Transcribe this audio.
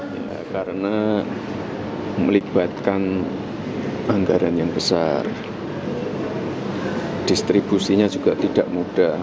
ya karena melibatkan anggaran yang besar distribusinya juga tidak mudah